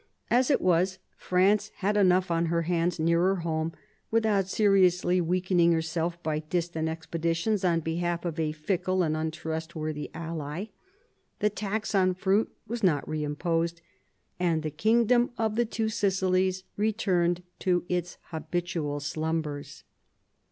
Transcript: As it was, France had enough on her hands nearer home without seriously weakening herself by distant expedi tions on behalf of a fickle and untrustworthy ally. The tax on fruit was not reimposed, and the kingdom of the Two Sicilies returned to its habitual slumbers.